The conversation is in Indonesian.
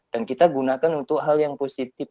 dan kita gunakan untuk hal yang positif